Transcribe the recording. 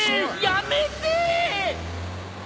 やめてぇ！